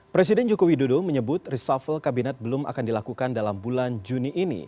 presiden joko widodo menyebut reshuffle kabinet belum akan dilakukan dalam bulan juni ini